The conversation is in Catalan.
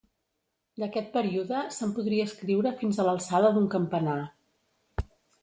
D'aquest període se'n podria escriure fins a l'alçada d'un campanar.